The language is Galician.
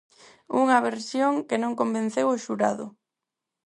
Unha versión que non convenceu o xurado.